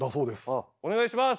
お願いします。